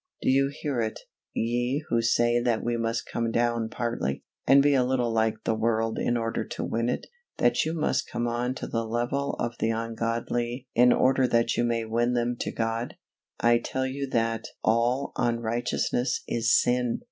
Do you hear it, ye who say that we must come down partly, and be a little like the world in order to win it? that you must come on to the level of the ungodly in order that you may win them to God? I tell you that _all unrighteousness is sin!